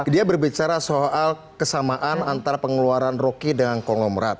dia berbicara soal kesamaan antara pengeluaran rocky dengan kongom rat